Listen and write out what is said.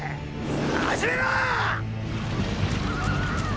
始めろォ！！